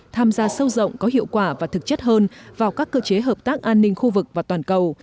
tham gia sâu rộng có hiệu quả và thực chất hơn vào các cơ chế hợp tác an ninh khu vực và toàn cầu